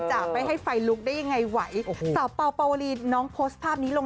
จะไปให้ใสลุกได้ยังไงไหวสาวปอวดีน้องโพสภาพลง